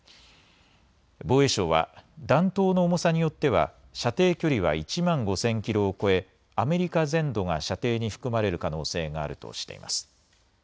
防衛省は弾頭の重さによっては射程距離は１万５０００キロを超えアメリカ全土が射程に含まれる可能性があるとしています。